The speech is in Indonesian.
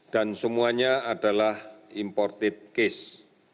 dan semuanya adalah imported case